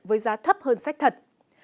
với giá thấp hơn sách thật